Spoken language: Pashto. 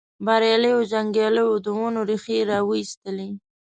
بریالیو جنګیالیو د ونو ریښې وایستلې.